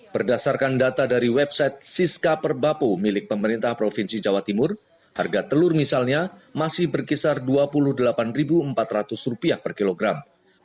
berdasarkan data dari website siska perbapu milik pemerintah provinsi jawa timur harga telur misalnya masih berkisar rp dua puluh delapan empat ratus per kilogram